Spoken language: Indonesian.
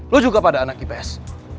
lo juga pada anak ips